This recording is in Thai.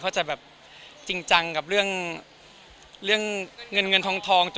จะแบบจริงจังกับเรื่องเงินเงินทอง